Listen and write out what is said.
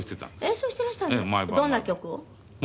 どんな曲を？